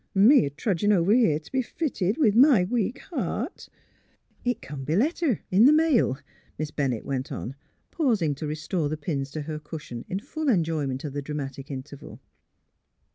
" An' me a trudgin' over here t' be fitted, with my weak heart "*' It come b' letter, in th' mail," Miss Bennett went on, pausing to restore the pins to her cushion in full enjoyment of the dramatic interval.